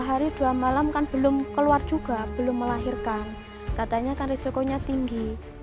hari dua malam kan belum keluar juga belum melahirkan katanya kan risikonya tinggi